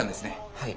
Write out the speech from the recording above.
はい。